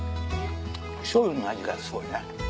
しょうゆの味がすごいね。